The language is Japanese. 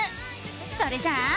それじゃあ。